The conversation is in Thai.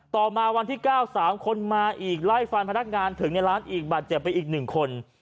ต่อมาวันที่๙๓คนมาอีกไล่ฟันพนักงานถึงในร้านอีกบาดเจ็บไปอีก๑คน